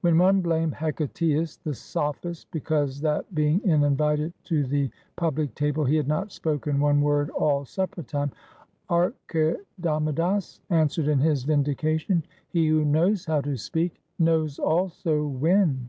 When one blamed Hecataeus the sophist because that, being in vited to the public table, he had not spoken one word all supper time, Archidamidas answered in his vindication, *'He who knows how to speak, knows also when."